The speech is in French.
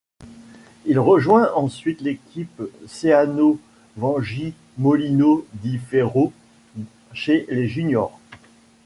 Il rejoint ensuite l'équipe Seano Vangi-Molino di Ferro chez les juniors.